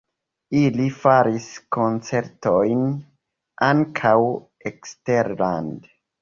Ili faris koncertojn ankaŭ eksterlande.